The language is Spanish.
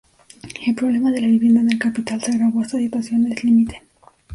El problema de la vivienda en la capital se agravó hasta situaciones límite.